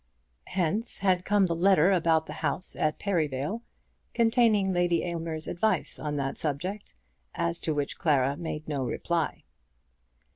Hence had come the letter about the house at Perivale, containing Lady Aylmer's advice on that subject, as to which Clara made no reply.